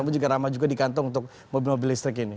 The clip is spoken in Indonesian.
tapi juga ramah juga di kantong untuk mobil mobil listrik ini